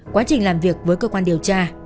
quá trình làm việc với cơ quan điều tra